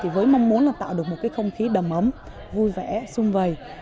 với mong muốn là tạo được một không khí đầm ấm vui vẻ sung vầy